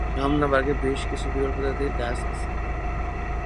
রমনা পার্কে বেশ কিছু বিরল প্রজাতির গাছ আছে।